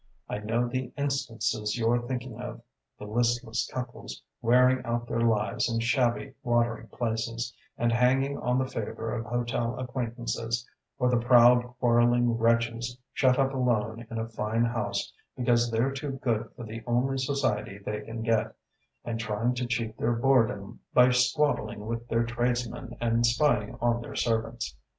I know the instances you're thinking of: the listless couples wearing out their lives in shabby watering places, and hanging on the favour of hotel acquaintances; or the proud quarrelling wretches shut up alone in a fine house because they're too good for the only society they can get, and trying to cheat their boredom by squabbling with their tradesmen and spying on their servants.